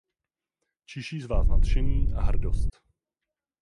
Čiší z vás nadšení a hrdost.